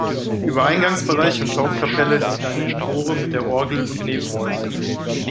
Über Eingangsbereich und Taufkapelle liegt eine Empore mit der Orgel und Nebenräumen.